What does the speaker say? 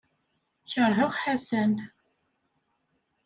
Keṛheɣ Ḥasan.